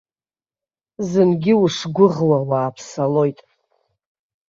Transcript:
Зынгьы ушгәыӷуа уааԥсалоит.